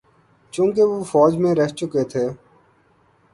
چونکہ وہ فوج میں رہ چکے تھے۔